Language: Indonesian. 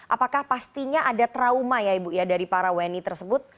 apakah pastinya ada trauma ya ibu ya dari para wni tersebut